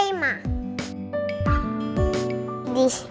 ini keluarga gua